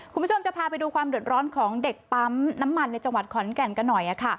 คุณผู้ชมจะพาไปดูความเดือดร้อนของเด็กปั๊มน้ำมันในจังหวัดขอนแก่นกันหน่อย